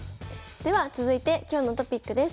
では続いて今日のトピックです。